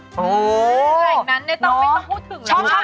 โอ้โฮแหล่งนั้นเนี่ยต้องไม่ต้องพูดถึงเลย